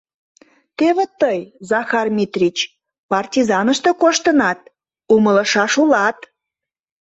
— Теве тый, Захар Митрич, партизаныште коштынат, умылышаш улат.